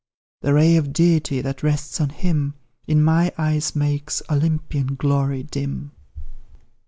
The ray of Deity that rests on him, In my eyes makes Olympian glory dim.